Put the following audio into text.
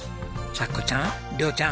さっこちゃん亮ちゃん